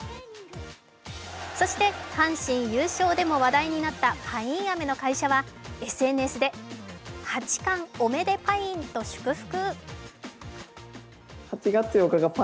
そして、阪神優勝でも話題になったパインアメの会社はＳＮＳで８冠おめでパインと祝福。